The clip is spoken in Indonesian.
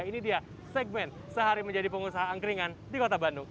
ini dia segmen sehari menjadi pengusaha angkringan di kota bandung